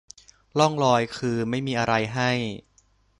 ลองหน่อย คือไม่มีอะไรให้